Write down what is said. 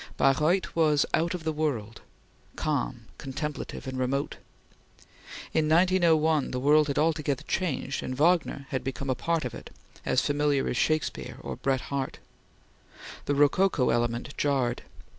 Baireuth was out of the world, calm, contemplative, and remote. In 1901 the world had altogether changed, and Wagner had become a part of it, as familiar as Shakespeare or Bret Harte. The rococo element jarred.